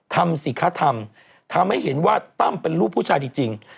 ทำสิคะทำทำให้เห็นว่าตั้มเป็นลูกผู้ชายจริง